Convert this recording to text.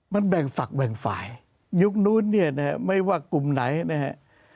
มันแบ่งฝักแบ่งฝ่ายยุคนู้นเนี่ยนะฮะไม่ว่ากลุ่มไหนนะฮะ